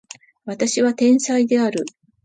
私は天才である